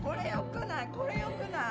これよくない？